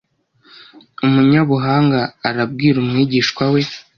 umunyabuhanga arabwira umwigishwa we